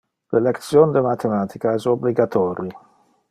Le lection de mathematica es obligatori.